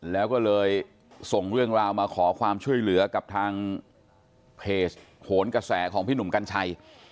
แล้วก็เลยส่งเรื่องราวมาขอความช่วยเหลือกับทางเพจโหนกระแสของพี่หนุ่มกัญชัย